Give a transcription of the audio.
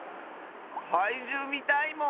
かいじゅうみたいもん！